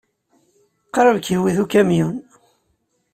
Qrib ay k-iwit ukamyun.